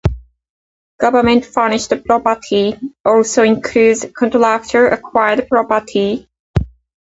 Government-furnished property also includes contractor-acquired property